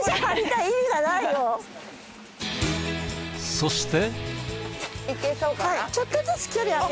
そして。